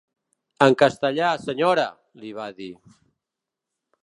En castellà, senyora!, li va dir.